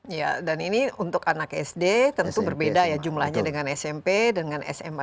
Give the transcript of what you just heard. iya dan ini untuk anak sd tentu berbeda ya jumlahnya dengan smp dengan sma